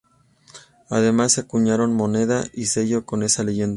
Además se acuñaron moneda y sellos con esa leyenda.